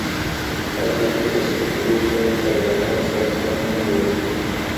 په لاره کي د خلګو له تګ راتګ سره خنډ مه جوړوئ.